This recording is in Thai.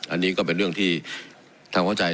อันนี้ก็เป็นเรื่องที่ทำเข้าใจ